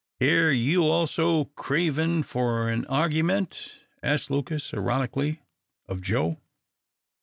"Air you also cravin' for an argyment?" asked Lucas, ironically, of Joe.